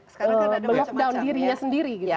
belock down dirinya sendiri